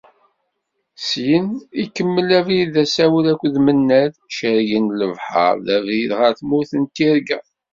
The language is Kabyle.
Syin, ikemmel abrid d asawen akked Mennad, cerrgen lebḥer d abrid ɣer tmurt n tirga.